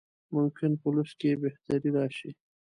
ممکن په لوست کې یې بهتري راشي.